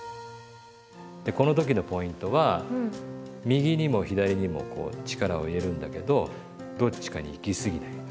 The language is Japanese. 右にも左にもこう力を入れるんだけどどっちかにいきすぎない。